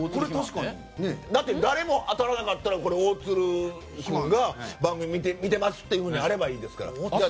だって、誰も当たらなかったら大鶴肥満が番組見てますってあればいいんですから。